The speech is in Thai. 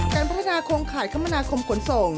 การพัฒนาโครงข่ายคมนาคมขนส่ง